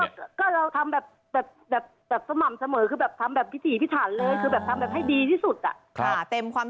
สามสิบบอโอเคไหม